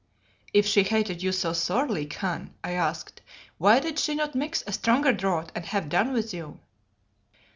"If she hated you so sorely, Khan," I asked, "why did she not mix a stronger draught and have done with you?"